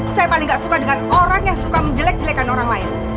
saya paling gak suka dengan orang yang suka menjelek jelekan orang lain